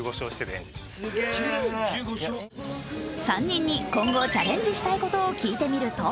３人に今後チャレンジしたいことを聞いてみると